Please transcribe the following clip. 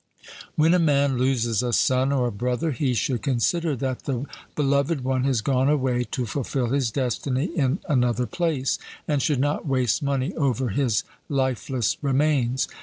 When a man loses a son or a brother, he should consider that the beloved one has gone away to fulfil his destiny in another place, and should not waste money over his lifeless remains.